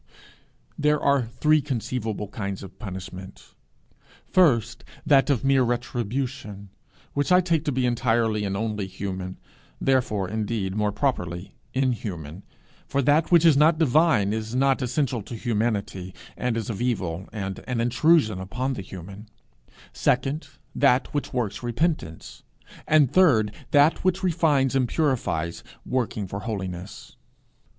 There are three conceivable kinds of punishment first, that of mere retribution, which I take to be entirely and only human therefore, indeed, more properly inhuman, for that which is not divine is not essential to humanity, and is of evil, and an intrusion upon the human; second, that which works repentance; and third, that which refines and purifies, working for holiness.